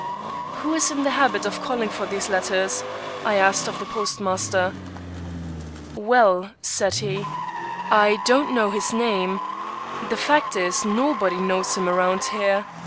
"Who is in the habit of calling for these letters?" I asked of the postmaster. "Well," said he, "I don't know his name. The fact is nobody knows him around here.